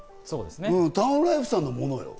タウンライフさんのものよ？